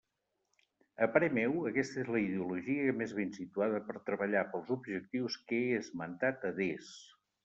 A parer meu, aquesta és la ideologia més ben situada per a treballar pels objectius que he esmentat adés.